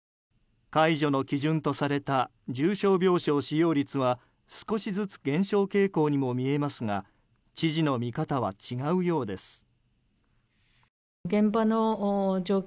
解除の基準とされた重症病床使用率は少しずつ減少傾向にも見えますが知事の見方は違うようです。